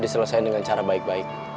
diselesaikan dengan cara baik baik